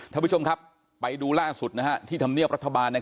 ท่านผู้ชมครับไปดูล่าสุดที่ธรรมเนียบรัฐบาล